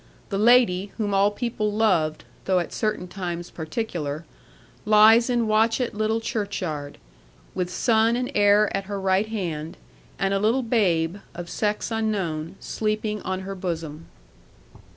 The lady, whom all people loved (though at certain times particular), lies in Watchett little churchyard, with son and heir at her right hand, and a little babe, of sex unknown, sleeping on her bosom.